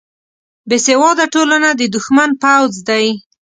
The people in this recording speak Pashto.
بیسواده ټولنه د دښمن پوځ دی